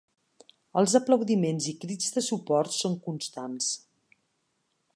Els aplaudiments i crits de suport són constants.